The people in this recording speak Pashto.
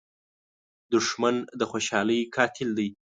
دښمن د خوشحالۍ قاتل دی